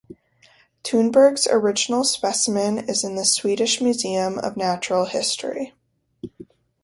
Thunberg's original specimen is in the Swedish Museum of Natural History.